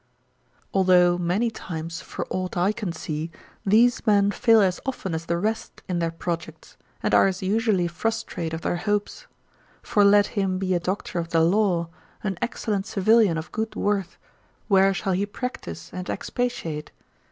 Although many times, for aught I can see, these men fail as often as the rest in their projects, and are as usually frustrate of their hopes. For let him be a doctor of the law, an excellent civilian of good worth, where shall he practise and expatiate?